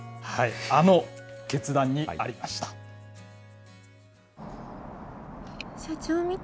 あの決断にありました。